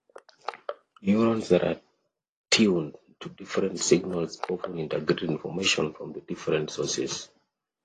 Neurons that are tuned to different signals often integrate information from the different sources.